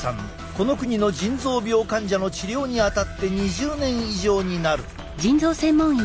この国の腎臓病患者の治療にあたって２０年以上になる。